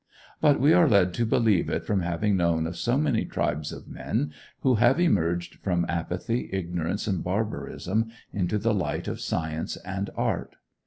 But we are led to believe it from having known of so many tribes of men who have emerged from apathy, ignorance, and barbarism into the light of science and art.